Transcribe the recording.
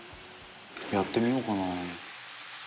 「やってみようかな」